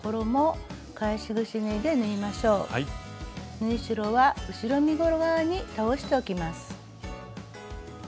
縫い代は後ろ身ごろ側に倒しておきます。